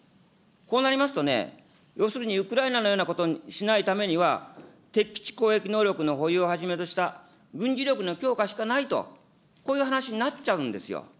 こうなりますとね、要するにウクライナのようなことをしないためには、敵基地攻撃能力の保有をはじめとした軍事力の強化しかないと、こういう話になっちゃうんですよ。